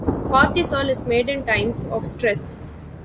Cortisol is made in times of stress.